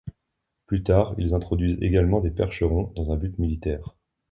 Plus tard, ils introduisent également des Percherons, dans un but militaire.